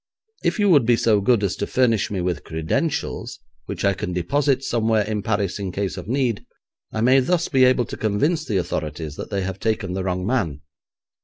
If you would be so good as to furnish me with credentials which I can deposit somewhere in Paris in case of need, I may thus be able to convince the authorities that they have taken the wrong man.'